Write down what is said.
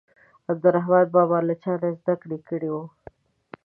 عبدالرحمان بابا له چا نه زده کړه کړې وه.